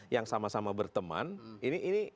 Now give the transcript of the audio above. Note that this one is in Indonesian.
yang sama sama berteman ini